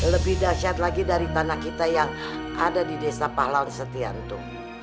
lebih dahsyat lagi dari tanah kita yang ada di desa pahlawan setiantu